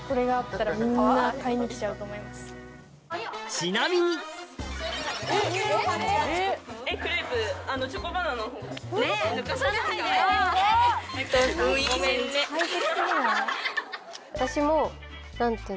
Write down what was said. ちなみに私も。